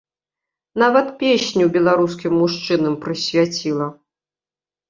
Нават песню беларускім мужчынам прысвяціла.